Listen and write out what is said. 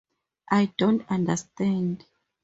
I don't understand.